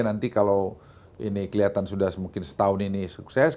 nanti kalau ini kelihatan sudah mungkin setahun ini sukses